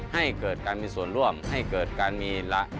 ให้เกิดการมีส่วนร่วมให้เกิดการมีละ